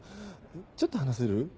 ちょっと話せる？